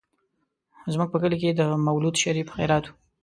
زموږ په کلي کې د مولود شريف خيرات و.